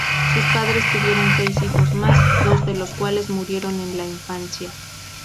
Sus padres tuvieron seis hijos más, dos de los cuales murieron en la infancia.